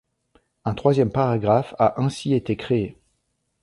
Un troisième paragraphe a ainsi été créé.